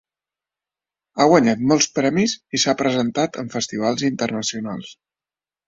Ha guanyat molts premis i s'ha presentat en festivals internacionals.